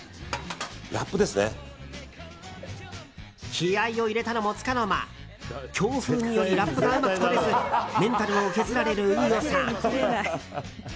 気合を入れたのもつかの間強風によりラップがうまく取れずメンタルを削られる飯尾さん。